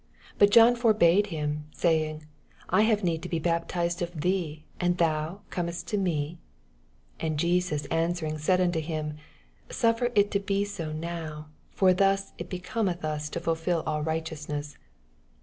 14 But John forbad him, saying, I have need to be baptized of thee, and comest thou to me i 15 And Jesus answering siud unto him, Suffer U to be »o now : for thus it booometh us to fulfil all righteous ness.